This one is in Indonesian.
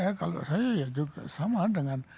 ya kalau saya ya juga sama dengan